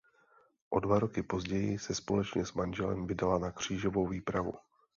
O dva roky později se společně s manželem vydala na křížovou výpravu.